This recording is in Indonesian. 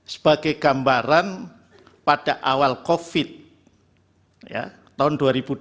sebagai gambaran pada awal covid tahun dua ribu dua puluh